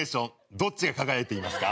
どっちが輝いていますか？